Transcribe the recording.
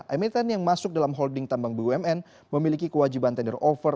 emiten yang masuk dalam holding tambang bumn memiliki kewajiban tender over